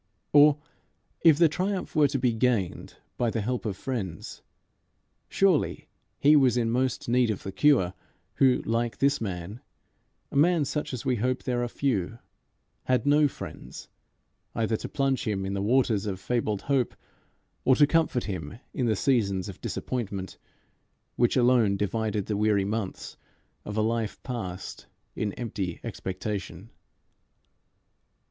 Or if the triumph were to be gained by the help of friends, surely he was in most need of the cure who like this man a man such as we hope there are few had no friends either to plunge him in the waters of fabled hope, or to comfort him in the seasons of disappointment which alone divided the weary months of a life passed in empty expectation.